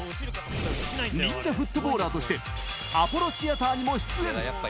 忍者フットボーラーとして、アポロシアターにも出演。